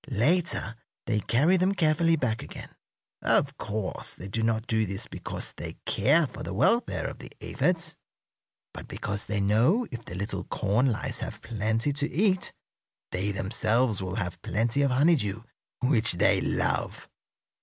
Later they carry them carefully back again. Of course, they do not do this because they care for the welfare of the aphids, but because they know if the little corn lice have plenty to eat they themselves will have plenty of honeydew, which they love."